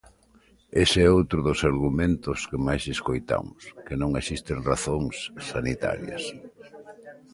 Ese é outro dos argumentos que máis escoitamos, que non existen razóns sanitarias.